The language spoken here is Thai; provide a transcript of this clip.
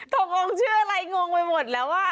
ถึงองค์ชื่ออะไรงงไปหมดแล้วอ่ะ